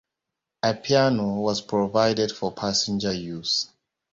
A piano was provided for passenger use.